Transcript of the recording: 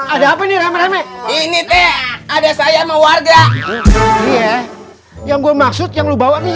ada apa nih remeh remeh ini teh ada saya mewarga yang gue maksud yang lu bawa nih